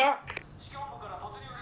指揮本部から突入Ａ